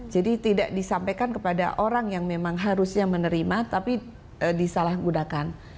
jadi tidak disampaikan kepada orang yang memang harusnya menerima tapi disalahgunakan